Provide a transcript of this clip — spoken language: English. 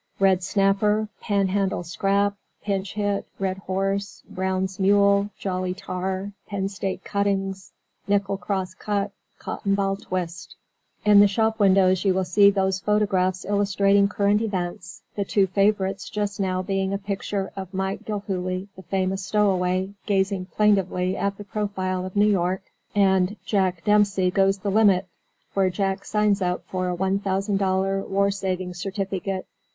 Red Snapper, Panhandle Scrap, Pinch Hit, Red Horse, Brown's Mule, Jolly Tar, Penn Statue Cuttings, Nickel Cross Cut, Cotton Ball Twist. In the shop windows you will see those photographs illustrating current events, the two favourites just now being a picture of Mike Gilhooley, the famous stowaway, gazing plaintively at the profile of New York, and "Jack Dempsey Goes the Limit," where Jack signs up for a $1,000 war savings certificate.